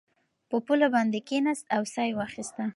په پوله باندې کېناست او ساه یې واخیسته.